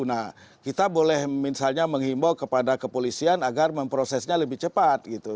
nah kita boleh misalnya menghimbau kepada kepolisian agar memprosesnya lebih cepat gitu